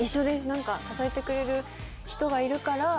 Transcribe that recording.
何か支えてくれる人がいるから。